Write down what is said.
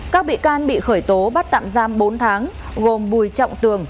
các bị can bị khởi tố bắt tạm giam bốn tháng gồm bùi trọng tường